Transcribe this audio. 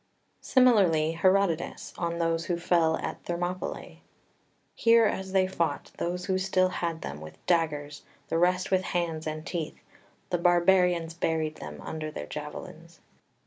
] 4 Similarly Herodotus on those who fell at Thermopylae: "Here as they fought, those who still had them, with daggers, the rest with hands and teeth, the barbarians buried them under their javelins."